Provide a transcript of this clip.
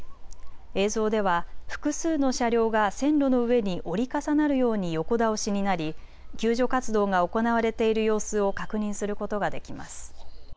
映像では複数の車両が線路の上に折り重なるように横倒しになり救助活動が行われている様子を確認することができます。